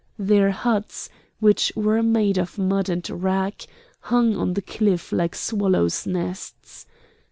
Their huts, which were made of mud and wrack, hung on the cliff like swallows' nests.